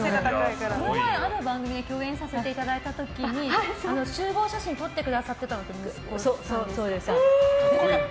この前ある番組で共演させていただいた時に集合写真撮ってくださってたの息子さんですか。